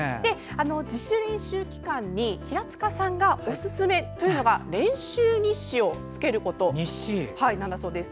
自主練習期間に平塚さんがおすすめというのが練習日誌をつけることだそうです。